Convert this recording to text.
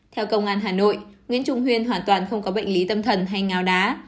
theo công an hà nội nguyễn trung huyên hoàn toàn không có bệnh lý tâm thần hay ngào đá